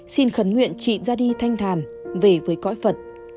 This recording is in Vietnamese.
xin khấn luyện chị ra đi thanh thàn về với cõi phật